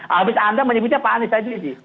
habis anda menyebutnya pak anies habibie